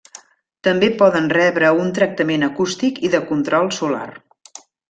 També poden rebre un tractament acústic i de control solar.